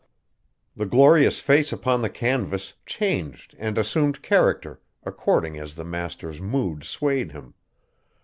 The glorious face upon the canvas changed and assumed character according as the master's mood swayed him.